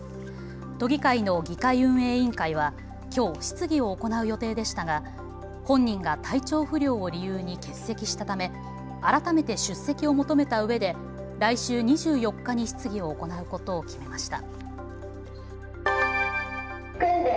都議会の議会運営委員会はきょう質疑を行う予定でしたが本人が体調不良を理由に欠席したため改めて出席を求めたうえで来週２４日に質疑を行うことを決めました。